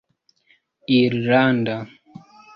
irlanda